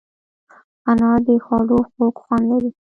انار د خوړو خوږ خوند لري.